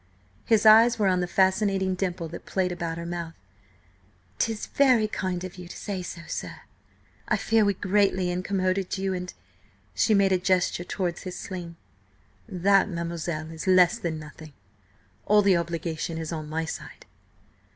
His eyes were on the fascinating dimple that played about her mouth. "'Tis very kind of you to say so, sir. I fear we greatly incommoded you–and—" She made a gesture towards his sling. "That, mademoiselle, is less than nothing. All the obligation is on my side."